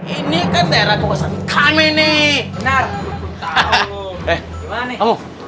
ini kan daerah kekuasaan kami nih